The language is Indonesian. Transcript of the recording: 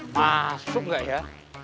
masuk nggak ya